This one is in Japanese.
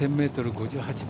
５８秒